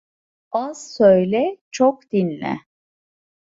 Az söyle, çok dinle.